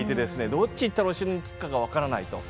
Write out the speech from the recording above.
どっち行ったらお城に着くかが分からないと。